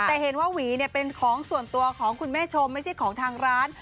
แต่เห็นว่าหวีเนี่ยเป็นของส่วนตัวของคุณแม่ชมไม่ใช่ของทางร้าน